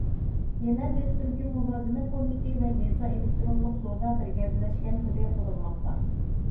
يەنە بىر تۈركۈم مۇلازىمەت پونكىتى ۋە يېزا ئېلېكتىرونلۇق سودا بىر گەۋدىلەشكەن تۈرى قۇرۇلماقتا.